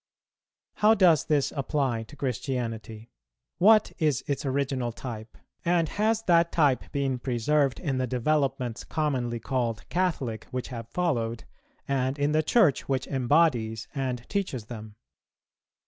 How does this apply to Christianity? What is its original type? and has that type been preserved in the developments commonly called Catholic, which have followed, and in the Church which embodies and teaches them?